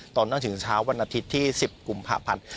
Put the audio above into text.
ตอนนั้นถึงเช้าวันอาทิตย์ที่๑๐กุมภาพันธ์